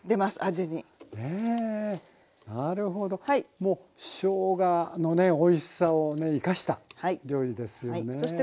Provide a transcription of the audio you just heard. もうしょうがのねおいしさをねいかした料理ですよね。